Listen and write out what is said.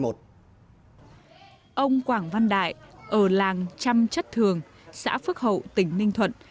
ông quảng văn đại ở làng trăm chất thường xã phước hậu tỉnh ninh thuận